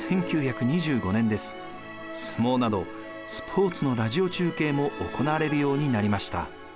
相撲などスポーツのラジオ中継も行われるようになりました。